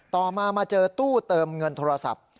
ต่อมามาเจอตู้เติมเงินโทรศัพท์